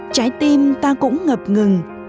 trái tim ta cũng ngập ngừng